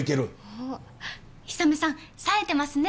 おっ氷雨さんさえてますね！